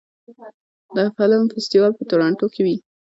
د فلم فستیوال په تورنټو کې وي.